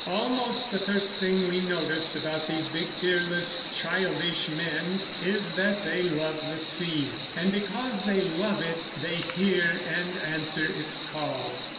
Almost the first thing we notice about these big, fearless, childish men is that they love the sea; and because they love it they hear and answer its call